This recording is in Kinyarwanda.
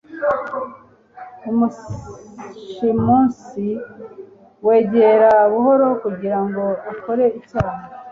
umushimusi, wegera buhoro kugira ngo akore icyaha